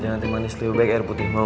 jangan teh manis lebih baik air putih mau